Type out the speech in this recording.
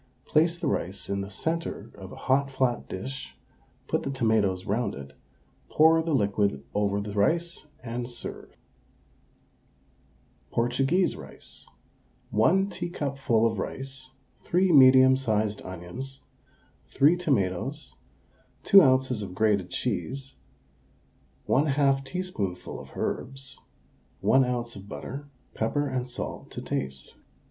Place the rice in the centre of a hot flat dish, put the tomatoes round it, pour the liquid over the rice, and serve. PORTUGUESE RICE. 1 teacupful of rice, 3 medium sized onions, 3 tomatoes, 2 oz. of grated cheese, 1/2 teaspoonful of herbs, 1 oz. of butter, pepper and salt to taste.